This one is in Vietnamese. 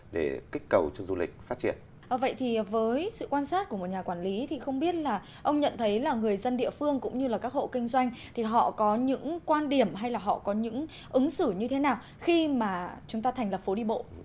vậy thì với sự quan sát của một nhà quản lý thì không biết là ông nhận thấy là người dân địa phương cũng như là các hộ kinh doanh thì họ có những quan điểm hay là họ có những ứng xử như thế nào khi mà chúng ta thành lập phố đi bộ